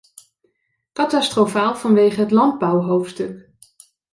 Catastrofaal vanwege het landbouwhoofdstuk.